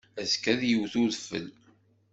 Azekka ad yewt udfel.